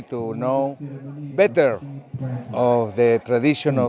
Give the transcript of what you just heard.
một buổi đêm rất tốt